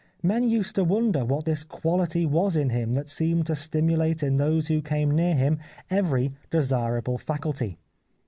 Men used to wonder what this quality was in him that seemed to stimulate in those who came near him every desirable faculty.